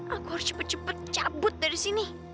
aku harus cepet cepet cabut dari sini